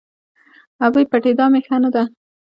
– ابۍ! پټېدا مې ښه نه ده.